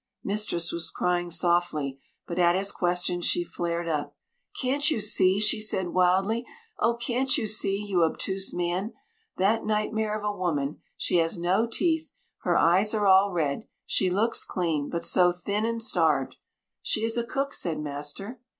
Mistress was crying softly, but at his question she flared up. "Can't you see?" she said wildly, "oh! can't you see, you obtuse man? That nightmare of a woman she has no teeth her eyes are all red she looks clean, but so thin and starved " "She is a cook," said master.